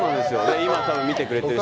今、多分、見てくれてるし。